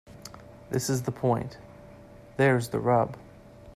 This is the point. There's the rub.